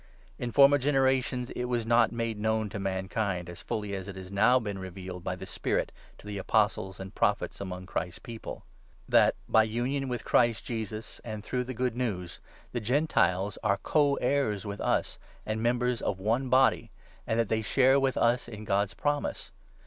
In former genera 5 tions it was not made known to mankind, as fully as it has now been revealed by the Spirit to the Apostles and Prophets among Christ's People — that, by union with Christ Jesus and 6 Isa. 57. 19 ; 52. 7. M Isa. 28. 16. 392 EPHESIANS, 3 4. through the Good News, the Gentiles are co heirs with us and members of one Body, and that they share with us in God's Promise.